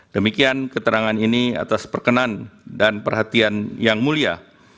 demikian keterangan ini atas perkenan dan perhatian yang mulia